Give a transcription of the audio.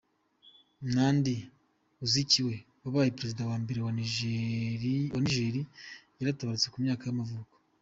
Nnamdi Azikiwe, wabaye perezida wa mbere wa Nigeria yaratabarutse, ku myaka y’amavuko.